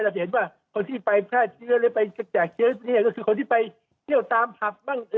จะเห็นว่าคนที่ไปแพร่เชื้อหรือไปแจกเชื้อเนี่ยก็คือคนที่ไปเที่ยวตามผับบ้าง